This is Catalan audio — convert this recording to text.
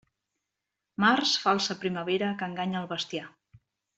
Març falsa primavera que enganya al bestiar.